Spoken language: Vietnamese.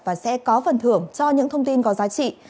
và sẽ có phần thưởng cho những thông tin có giá trị